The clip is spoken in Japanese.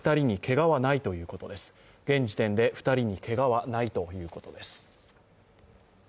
現時点で２人にけがはないということです。